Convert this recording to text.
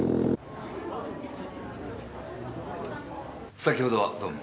先ほどはどうも。